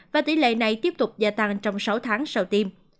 và tỷ lệ này tiếp tục gia tăng trong sáu tháng sau tiêm